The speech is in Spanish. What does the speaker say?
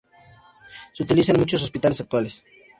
Se utiliza en muchos hospitales actuales.